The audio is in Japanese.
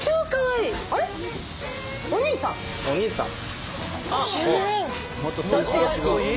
お兄さん。